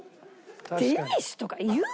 デニッシュとか言う！？